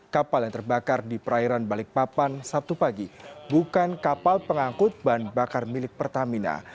kapal yang terbakar di perairan balikpapan sabtu pagi bukan kapal pengangkut bahan bakar milik pertamina